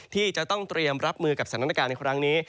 ที่จะต้องเตรียมรับมือกับสถานการณ์ในครั้งนี้